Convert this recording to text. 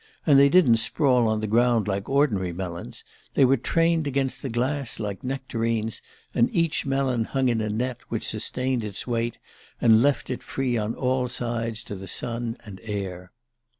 And they didn't sprawl on the ground like ordinary melons; they were trained against the glass like nectarines, and each melon hung in a net which sustained its weight and left it free on all sides to the sun and air...